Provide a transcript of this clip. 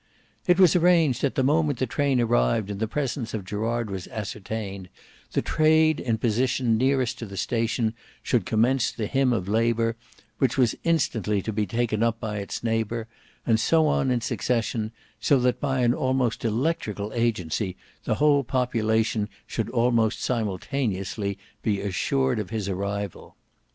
It was arranged that the moment the train arrived and the presence of Gerard was ascertained, the Trade in position nearest to the station should commence the hymn of Labour, which was instantly to be taken up by its neighbour, and so on in succession, so that by an almost electrical agency the whole population should almost simultaneously be assured of his arrival.